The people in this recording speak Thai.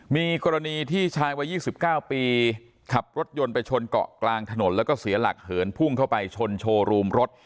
มีกรณีที่ชายวัย๒๙ปีขับรถยนต์ไปชนเกาะกลางถนนแล้วก็เสียหลักเหินพุ่งเข้าไปชนโชว์รูมรถ